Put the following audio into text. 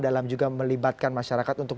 dalam juga melibatkan masyarakat untuk